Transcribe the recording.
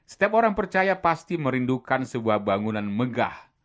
setiap orang percaya pasti merindukan sebuah bangunan megah